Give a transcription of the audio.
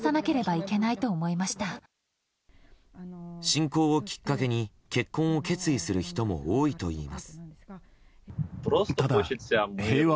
侵攻をきっかけに結婚を決意する人も多いといいます。